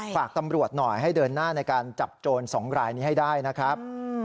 ฝากตำรวจหน่อยให้เดินหน้าในการจับโจรสองรายนี้ให้ได้นะครับ